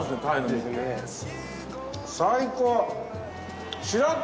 最高！